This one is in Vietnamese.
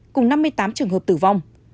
cùng năm mươi tám trường hợp tử vong